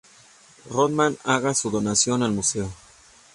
Random haga su donación al museo.